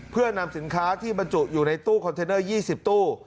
เพื่อนำสินค้าที่บรรจุอยู่ในตู้คอนเทนเนอร์๒๐ตู้